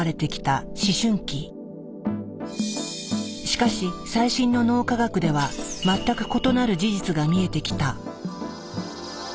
しかし最新の脳科学では全く異なる事実が見えてきた。